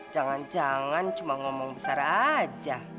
jangan jangan cuma ngomong besar aja